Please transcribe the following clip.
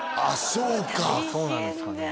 そうかそうなんですかね？